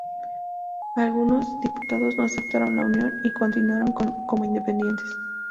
Algunos diputados no aceptaron la unión y continuaron como independientes.